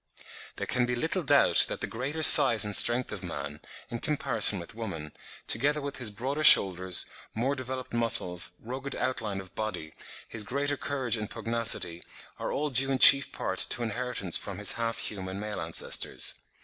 There can be little doubt that the greater size and strength of man, in comparison with woman, together with his broader shoulders, more developed muscles, rugged outline of body, his greater courage and pugnacity, are all due in chief part to inheritance from his half human male ancestors.